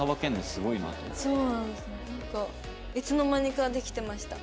なんかいつの間にかできてました。